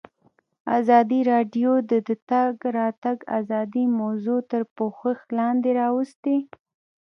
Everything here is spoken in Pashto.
ازادي راډیو د د تګ راتګ ازادي موضوع تر پوښښ لاندې راوستې.